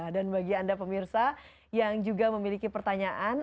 dan bagi anda pemirsa yang juga memiliki pertanyaan